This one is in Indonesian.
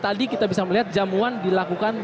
tadi kita bisa melihat jamuan dilakukan